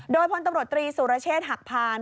โดยพลตำรวจตรีสุรเชษฐ์หักพาน